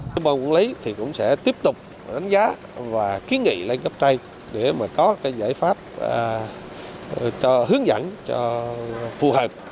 bàn quản lý cũng sẽ tiếp tục đánh giá và kiến nghị lãnh cấp trai để mà có cái giải pháp hướng dẫn cho phù hợp